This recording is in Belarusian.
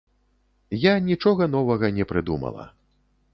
Я нічога новага не прыдумала.